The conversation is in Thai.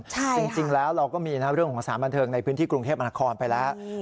จริงแล้วเราก็มีเรื่องของสารบันเทิงในพื้นที่กรุงเทพมนาคอนไปแล้ว